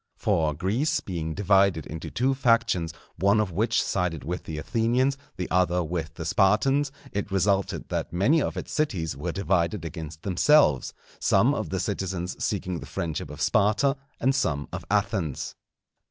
For Greece being divided into two factions, one of which sided with the Athenians, the other with the Spartans, it resulted that many of its cities were divided against themselves, some of the citizens seeking the friendship of Sparta and some of Athens.